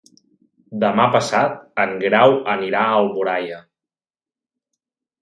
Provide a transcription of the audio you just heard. Demà passat en Grau anirà a Alboraia.